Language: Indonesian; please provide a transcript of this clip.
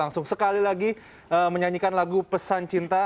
langsung sekali lagi menyanyikan lagu pesan cinta